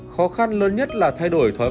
khó khăn lớn nhất là thay đổi bệnh lý tưởng